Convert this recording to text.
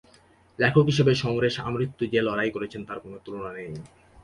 লেখক হিসেবে সমরেশ আমৃত্যু যে লড়াই করেছেন, তার কোনো তুলনা নেই।